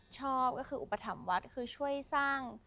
ชอบก็คืออุปถัมภ์วัดคือช่วยสร้าง